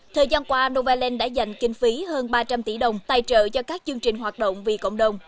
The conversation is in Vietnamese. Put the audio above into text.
thời gian qua novaland đã dành kinh phí hơn ba trăm linh tỷ đồng tài trợ cho các chương trình hoạt động vì cộng đồng